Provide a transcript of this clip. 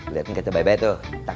sekarang vince bayi baik baik